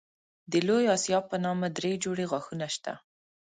د لوی آسیاب په نامه دری جوړې غاښونه شته.